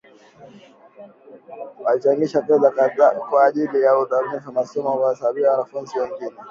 Walichangisha fedha kwa ajili ya udhamini wa masomo kuwasaidia wanafunzi wengine